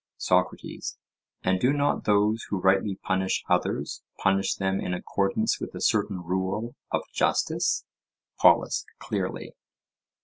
SOCRATES: And do not those who rightly punish others, punish them in accordance with a certain rule of justice? POLUS: Clearly.